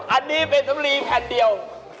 อันนี้เป็นสำลีแผ่นเดียว